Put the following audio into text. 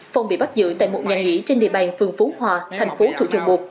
phong bị bắt giữ tại một nhà nghỉ trên địa bàn phường phú hòa thành phố thủy thường một